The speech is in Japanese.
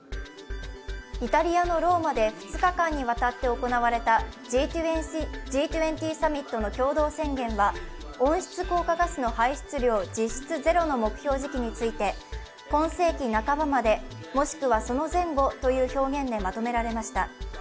イタリアのローマで２日間にわたって行われたＧ２０サミットの共同宣言は温室効果ガスの排出量実質ゼロの目標時期について「今世紀半ばまで、もしくはその前後」という表現でまとめられました。